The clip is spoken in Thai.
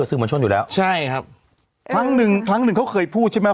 สื่อมวลชนอยู่แล้วใช่ครับครั้งหนึ่งครั้งหนึ่งเขาเคยพูดใช่ไหม